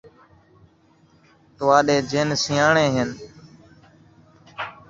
تہاݙے جن سیاݨے ہن